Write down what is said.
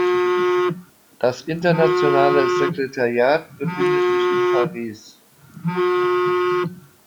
Das internationale Sekretariat befindet sich in Paris.